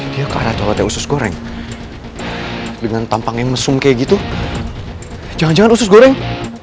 dia karena tolate usus goreng dengan tampang yang mesum kayak gitu jangan jangan usus goreng